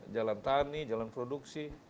jalan tani jalan produksi